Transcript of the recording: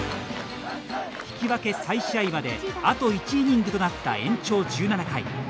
引き分け再試合まであと１イニングとなった延長１７回。